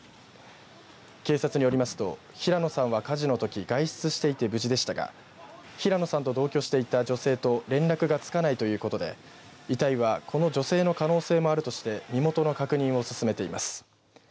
警察によりますと、平野さんは火事のとき外出していて無事でしたが平野さんと同居していた女性と連絡がつかないということで遺体は、この女性の可能性もあるとして身元の確認を進めています。